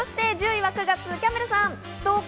１０位は９月、キャンベルさん。